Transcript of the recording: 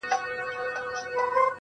o د جهنم منځ کي د اوسپني زنځیر ویده دی.